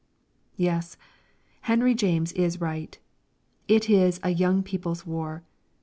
Yes, Henry James is right. "It is a Young People's War."